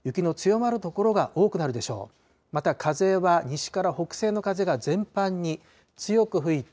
また風は西から北西の風が全般に強く吹いて、